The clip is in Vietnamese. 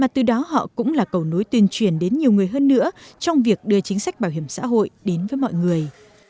từ đó họ cũng là cầu nối tuyên truyền đến nhiều người hơn nữa trong việc đưa chính sách bảo hiểm xã hội đến với mọi người